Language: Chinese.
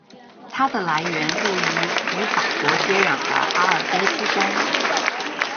它的来源位于与法国接壤的阿尔卑斯山。